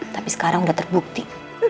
tapi sekarang udah terbukti